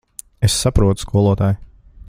Es saprotu, skolotāj.